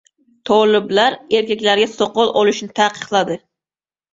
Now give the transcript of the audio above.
Toliblar erkaklarga soqol olishni taqiqladi